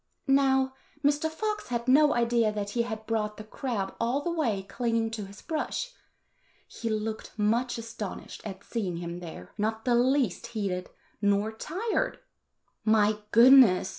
Now, Mr. Fox had no idea that he had brought the crab all the way clinging to his brush. He looked much astonished at seeing him there, not the least heated nor tired. "My goodness!"